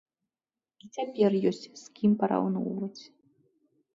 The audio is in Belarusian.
І цяпер ёсць з кім параўноўваць.